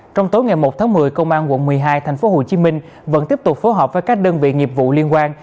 trong tối ngày một tháng một mươi công an quận một mươi hai tp hcm vẫn tiếp tục phối hợp với các đơn vị nghiệp vụ liên quan